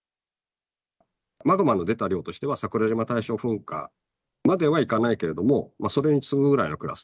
マグマの出た量としては、桜島大正噴火まではいかないけれども、それに次ぐぐらいのクラス。